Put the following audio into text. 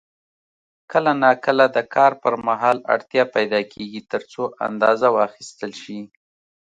کله نا کله د کار پر مهال اړتیا پیدا کېږي ترڅو اندازه واخیستل شي.